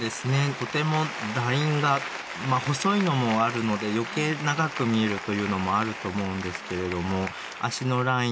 とてもラインがまあ細いのもあるので余計長く見えるというのもあると思うんですけれども脚のライン